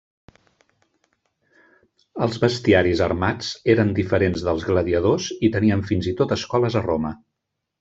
Els bestiaris armats eren diferents dels gladiadors i tenien fins i tot escoles a Roma.